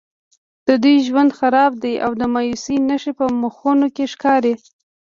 د دوی ژوند خراب دی او د مایوسیو نښې په مخونو کې ښکاري.